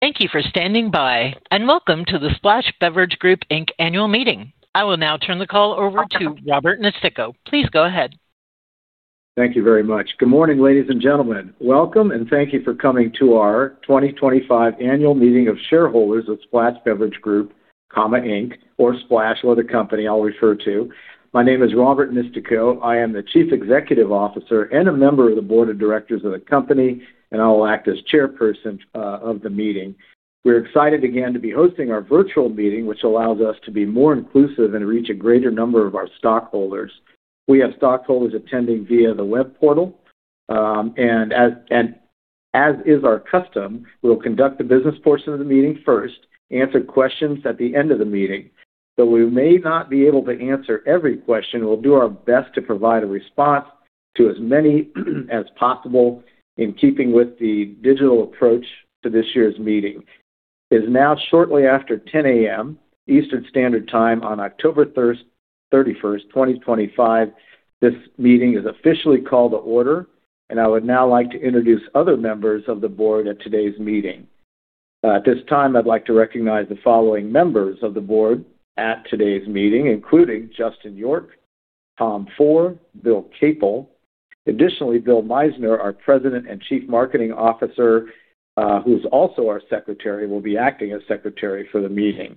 Thank you for standing by, and welcome to the Splash Beverage Group, Inc. annual meeting. I will now turn the call over to Robert Nistico. Please go ahead. Thank you very much. Good morning, ladies and gentlemen. Welcome, and thank you for coming to our 2025 annual meeting of shareholders of Splash Beverage Group, Inc., or Splash or the company I'll refer to. My name is Robert Nistico. I am the Chief Executive Officer and a member of the Board of Directors of the company, and I'll act as Chairperson of the meeting. We're excited again to be hosting our virtual meeting, which allows us to be more inclusive and reach a greater number of our stockholders. We have stockholders attending via the web portal. As is our custom, we'll conduct the business portion of the meeting first and answer questions at the end of the meeting. Though we may not be able to answer every question, we'll do our best to provide a response to as many as possible in keeping with the digital approach to this year's meeting. It is now shortly after 10:00 A.M. Eastern Standard Time on October 31st, 2025. This meeting is officially called to order, and I would now like to introduce other members of the board at today's meeting. At this time, I'd like to recognize the following members of the board at today's meeting, including Justin York, Tom Fohr, Bill Capel. Additionally, Bill Meissner, our President and Chief Marketing Officer, who is also our Secretary, will be acting as Secretary for the meeting.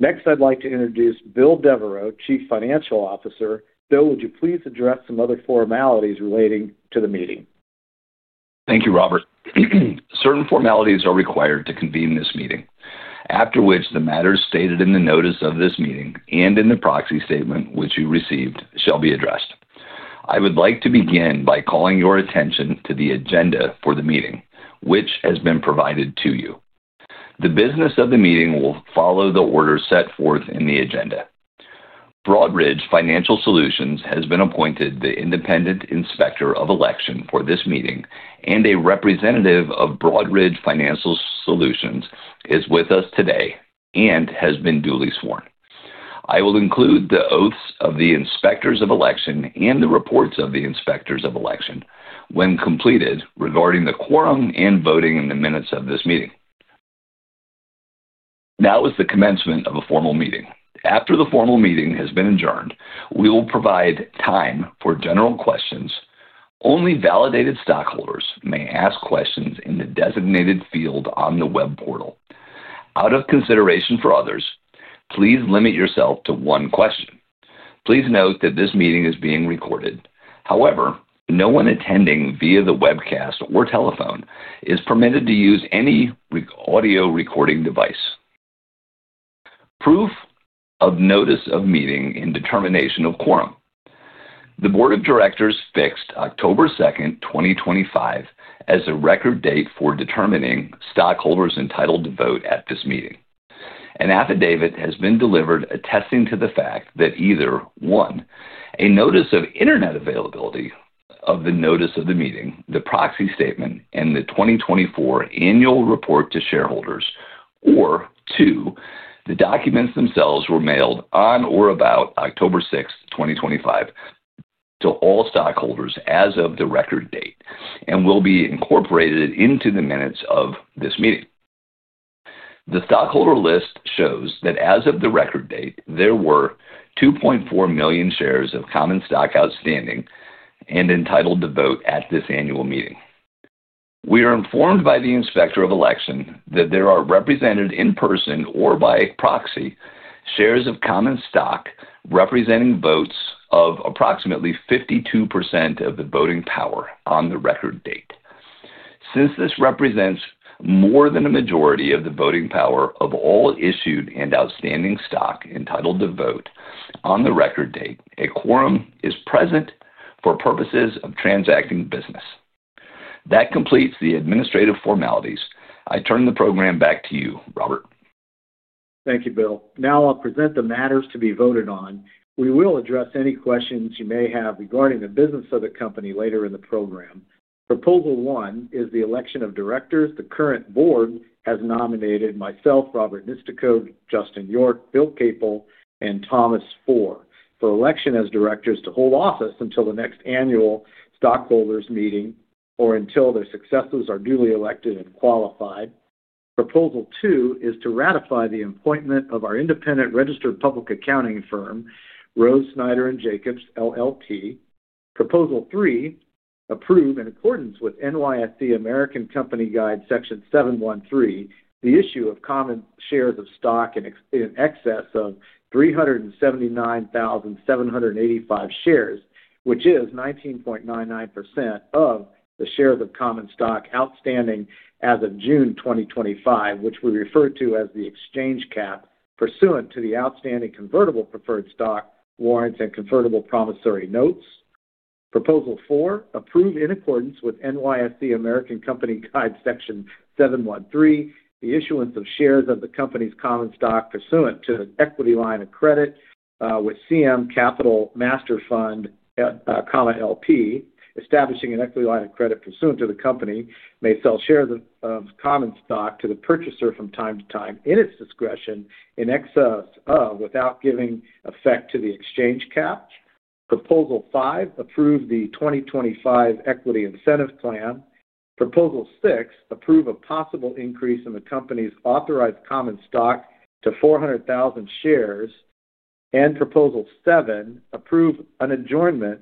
Next, I'd like to introduce Bill Devereaux, Chief Financial Officer. Bill, would you please address some other formalities relating to the meeting? Thank you, Robert. Certain formalities are required to convene this meeting, after which the matters stated in the notice of this meeting and in the proxy statement which you received shall be addressed. I would like to begin by calling your attention to the agenda for the meeting, which has been provided to you. The business of the meeting will follow the orders set forth in the agenda. Broadridge Financial Solutions has been appointed the independent inspector of election for this meeting, and a representative of Broadridge Financial Solutions is with us today and has been duly sworn. I will include the oaths of the inspectors of election and the reports of the inspectors of election when completed regarding the quorum and voting in the minutes of this meeting. Now is the commencement of a formal meeting. After the formal meeting has been adjourned, we will provide time for general questions. Only validated stockholders may ask questions in the designated field on the web portal. Out of consideration for others, please limit yourself to one question. Please note that this meeting is being recorded. However, no one attending via the webcast or telephone is permitted to use any audio recording device. Proof of notice of meeting and determination of quorum. The Board of Directors fixed October 2nd, 2025, as a record date for determining stockholders entitled to vote at this meeting. An affidavit has been delivered attesting to the fact that either, one, a notice of internet availability of the notice of the meeting, the proxy statement, and the 2024 annual report to shareholders, or two, the documents themselves were mailed on or about October 6th, 2025, to all stockholders as of the record date and will be incorporated into the minutes of this meeting. The stockholder list shows that as of the record date, there were 2.4 million shares of common stock outstanding and entitled to vote at this annual meeting. We are informed by the inspector of election that there are represented in person or by proxy shares of common stock representing votes of approximately 52% of the voting power on the record date. Since this represents more than a majority of the voting power of all issued and outstanding stock entitled to vote on the record date, a quorum is present for purposes of transacting business. That completes the administrative formalities. I turn the program back to you, Robert. Thank you, Bill. Now I'll present the matters to be voted on. We will address any questions you may have regarding the business of the company later in the program. Proposal one is the election of directors. The current board has nominated myself, Robert Nistico, Justin York, Bill Capel, and Tom Fohr for election as directors to hold office until the next annual stockholders' meeting or until their successors are duly elected and qualified. Proposal two is to ratify the appointment of our independent registered public accounting firm, Rose Snyder and Jacobs, LLP. Proposal three, approve in accordance with NYSE American Company Guide Section 713, the issue of common shares of stock in excess of 379,785 shares, which is 19.99% of the shares of common stock outstanding as of June 2025, which we refer to as the exchange cap pursuant to the outstanding convertible preferred stock warrants and convertible promissory notes. Proposal four, approve in accordance with NYSE American Company Guide Section 713, the issuance of shares of the company's common stock pursuant to an equity line of credit with CM Capital Master Fund, LP, establishing an equity line of credit pursuant to which the company may sell shares of common stock to the purchaser from time to time in its discretion in excess of, without giving effect to, the exchange cap. Proposal five, approve the 2025 equity incentive plan. Proposal six, approve a possible increase in the company's authorized common stock to 400,000 shares. Proposal seven, approve an adjournment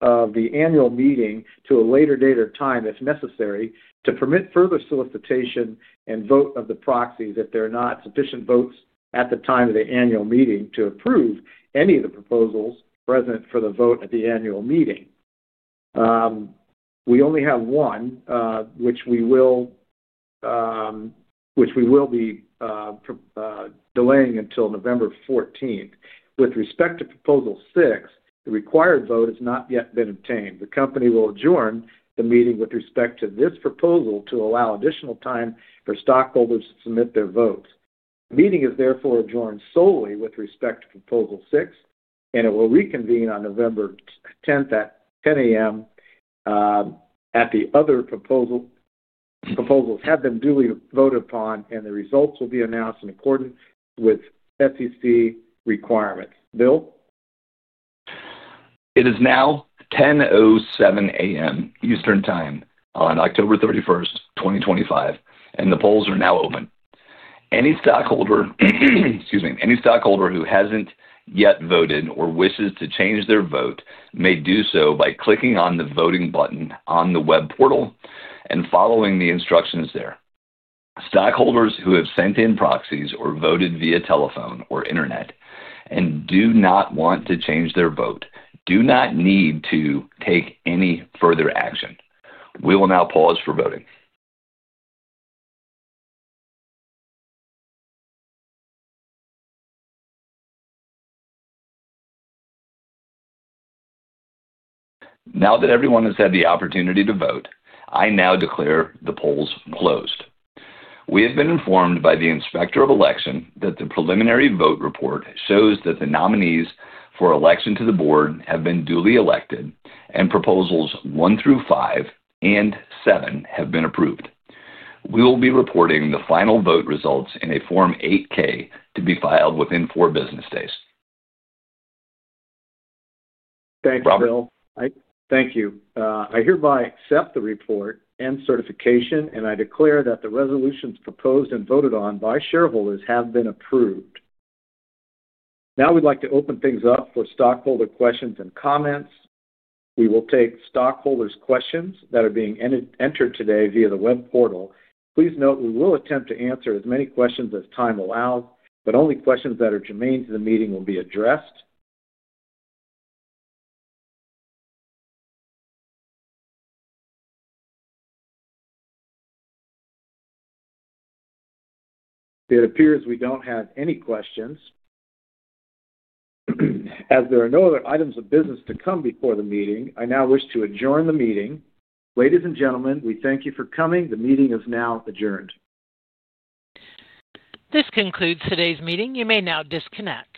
of the annual meeting to a later date or time if necessary to permit further solicitation and vote of the proxies if there are not sufficient votes at the time of the annual meeting to approve any of the proposals present for the vote at the annual meeting. We only have one, which we will be delaying until November 14th. With respect to proposal six, the required vote has not yet been obtained. The company will adjourn the meeting with respect to this proposal to allow additional time for stockholders to submit their votes. The meeting is therefore adjourned solely with respect to proposal six, and it will reconvene on November 10th at 10:00 A.M. The other proposals have been duly voted upon, and the results will be announced in accordance with SEC requirements. Bill? It is now 10:07 A.M. Eastern Time on October 31st, 2025, and the polls are now open. Any stockholder who hasn't yet voted or wishes to change their vote may do so by clicking on the voting button on the web portal and following the instructions there. Stockholders who have sent in proxies or voted via telephone or internet and do not want to change their vote do not need to take any further action. We will now pause for voting. Now that everyone has had the opportunity to vote, I now declare the polls closed. We have been informed by the inspector of election that the preliminary vote report shows that the nominees for election to the board have been duly elected and proposals one through five and seven have been approved. We will be reporting the final vote results in a Form 8-K to be filed within four business days. Thank you, Bill. Robert? Thank you. I hereby accept the report and certification, and I declare that the resolutions proposed and voted on by shareholders have been approved. Now we'd like to open things up for stockholder questions and comments. We will take stockholders' questions that are being entered today via the web portal. Please note we will attempt to answer as many questions as time allows, but only questions that are germane to the meeting will be addressed. It appears we don't have any questions. As there are no other items of business to come before the meeting, I now wish to adjourn the meeting. Ladies and gentlemen, we thank you for coming. The meeting is now adjourned. This concludes today's meeting. You may now disconnect.